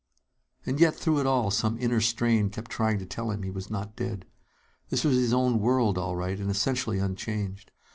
And yet, through it all, some inner strain kept trying to tell him he was not dead. This was his own world, all right, and essentially unchanged.